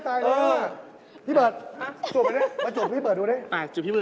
พี่เบิร์ดจูบไปด้วยมาจูบพี่เบิร์ดดูดิ